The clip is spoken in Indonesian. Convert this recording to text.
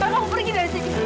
kamu pergi dari sini